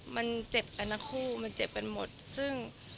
มันเจ็บกันทั้งคู่มันเจ็บกันหมดซึ่ง